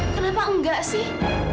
kenapa enggak sih